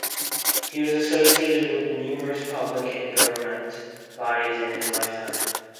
He was associated with numerous public and Government bodies in his lifetime.